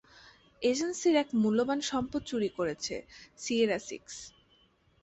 এজেন্সির এক মূল্যবান সম্পদ চুরি করেছে সিয়েরা সিক্স।